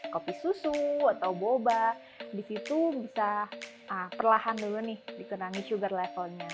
kopi susu atau boba di situ bisa perlahan dulu dikurangi sugar levelnya